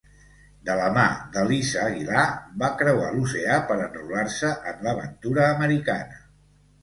De la mà d'Elisa Aguilar, va creuar l'oceà per enrolar-se en l'aventura americana.